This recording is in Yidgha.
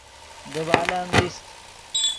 دیبال ام ایست